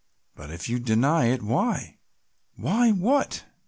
But if you deny it, why " "Why what?"